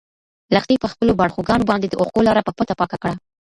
لښتې په خپلو باړخوګانو باندې د اوښکو لاره په پټه پاکه کړه.